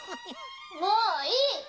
もういい！